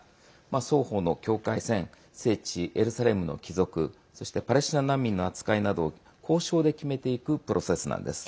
双方の境界線聖地エルサレムの帰属そしてパレスチナ難民の扱いなどを交渉で決めていくプロセスなんです。